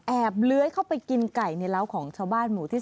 เลื้อยเข้าไปกินไก่ในร้าวของชาวบ้านหมู่ที่๓